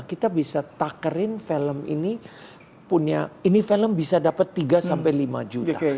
kita bisa takerin film ini punya ini film bisa dapat tiga sampai lima juta